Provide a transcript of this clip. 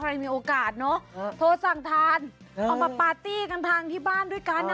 มีโอกาสเนอะโทรสั่งทานเอามาปาร์ตี้กันทางที่บ้านด้วยกัน